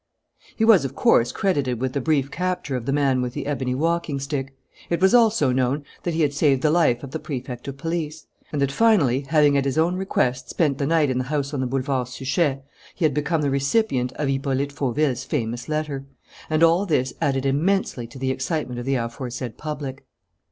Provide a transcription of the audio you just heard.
He was, of course, credited with the brief capture of the man with the ebony walking stick. It was also known that he had saved the life of the Prefect of Police, and that, finally, having at his own request spent the night in the house on the Boulevard Suchet, he had become the recipient of Hippolyte Fauville's famous letter. And all this added immensely to the excitement of the aforesaid public.